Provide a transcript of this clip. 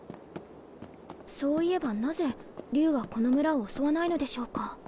そういえばなぜ竜はこの村を襲わないのでしょうか？